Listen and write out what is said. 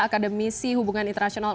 akademisi hubungan internasional